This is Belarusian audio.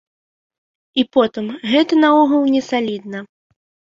І потым, гэта наогул не салідна.